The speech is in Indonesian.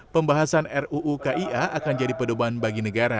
pembahasan ruu kia akan jadi pedoman bagi negara